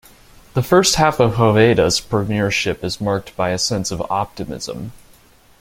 The first half of Hoveyda's premiership is marked by a sense of optimism.